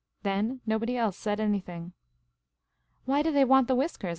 Then nobody else said anything. " Why do they want the whiskers